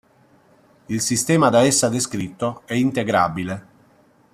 Il sistema da essa descritto è integrabile.